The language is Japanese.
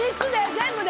全部で？